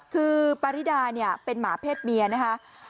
คือปริดาเป็นหมาเพศเมียนะคะ